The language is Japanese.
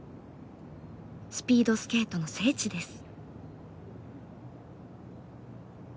スピードスケートの聖地です。